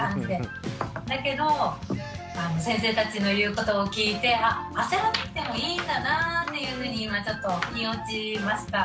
だけど先生たちの言うことを聞いて焦らなくてもいいんだなっていうふうに今ちょっと腑に落ちました。